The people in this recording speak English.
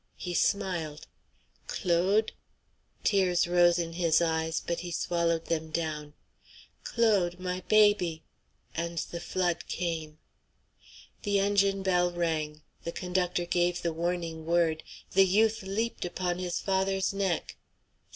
He smiled. "Claude," tears rose in his eyes, but he swallowed them down, "Claude, my baby," and the flood came. The engine bell rang. The conductor gave the warning word, the youth leaped upon his father's neck. St.